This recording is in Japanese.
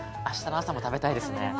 あしたの朝も食べたいですね。